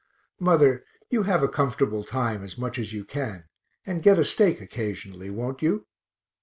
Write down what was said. Mother, you have a comfortable time as much as you can, and get a steak occasionally, won't you?